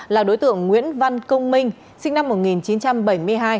là đối tượng nguyễn văn công minh sinh năm một nghìn chín trăm bảy mươi hai